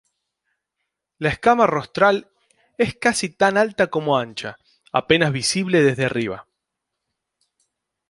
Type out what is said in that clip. La escama rostral es casi tan alta como ancha, apenas visible desde arriba.